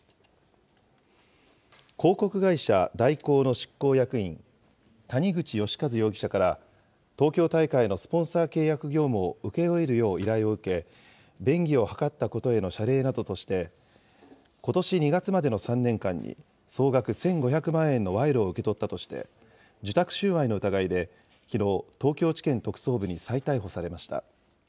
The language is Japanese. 広告会社、大広の執行役員、谷口義一容疑者から東京大会のスポンサー契約業務を請け負えるよう依頼を受け、便宜を図ったことへの謝礼などとして、ことし２月までの３年間に、総額１５００万円の賄賂を受け取ったとして、受託収賄の疑いできのう、東京地検特捜部に再逮捕されました。